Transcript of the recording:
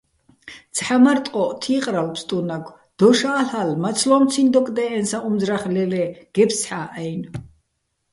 ცჰ̦ა მარ ტყო́ჸ თი́ყრალო̆ ფსტუნაგო̆: დოშ ა́ლ'ალე̆, მაცლო́მციჼ დოკდე́ჸენსაჼ უმძრახ ლელე́ გეფსცჰ̦ა́ჸ-აჲნო̆.